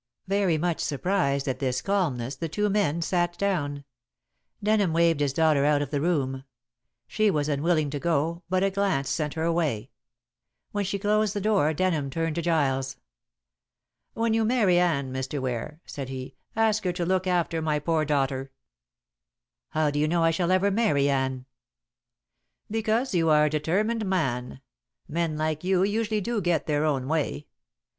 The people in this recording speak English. Very much surprised at this calmness the two men sat down. Denham waved his daughter out of the room. She was unwilling to go, but a glance sent her away. When she closed the door Denham turned to Giles. "When you marry Anne, Mr. Ware," said he, "ask her to look after my poor daughter." "How do you know I shall ever marry Anne?" "Because you are a determined man. Men like you usually do get their own way.